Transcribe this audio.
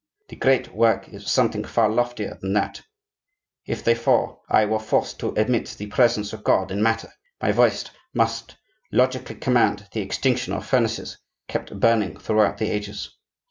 The Great Work is something far loftier than that. If, therefore, I were forced to admit the presence of God in matter, my voice must logically command the extinction of furnaces kept burning throughout the ages.